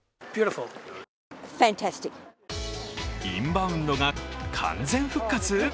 インバウンドが完全復活？